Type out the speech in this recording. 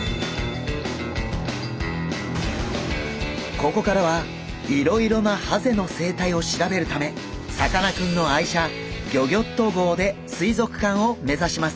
ここからはいろいろなハゼの生態を調べるためさかなクンの愛車ギョギョッと号で水族館を目指します。